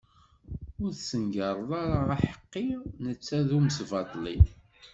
Ur tessengareḍ ara aḥeqqi netta d umesbaṭli!